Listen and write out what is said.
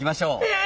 え！？